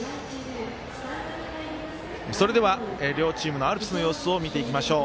それでは、両チームのアルプスの様子を見ていきましょう。